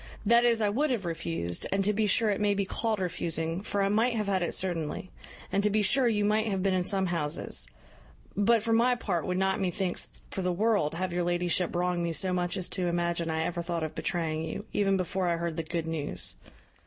that is, I would have refused, and to be sure it may be called refusing, for I might have had it certainly; and to be sure you might have been in some houses; but, for my part, would not methinks for the world have your ladyship wrong me so much as to imagine I ever thought of betraying you, even before I heard the good news."